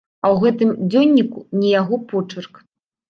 А ў гэтым дзённіку не яго почырк.